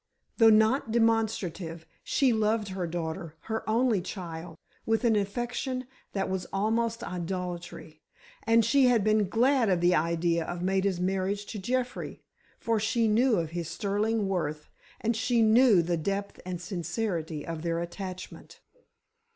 Though not demonstrative, she loved her daughter, her only child, with an affection that was almost idolatry, and she had been glad of the idea of Maida's marriage to Jeffrey, for she knew of his sterling worth, and she knew the depth and sincerity of their attachment.